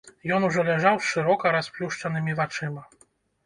Ён ужо ляжаў з шырока расплюшчанымі вачыма.